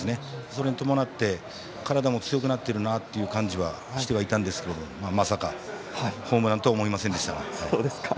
それに伴って体も強くなっているなという感じはしてはいたんですけどまさか、ホームランとは思いませんでしたが。